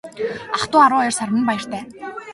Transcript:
Ах дүү арван хоёр сар минь баяртай.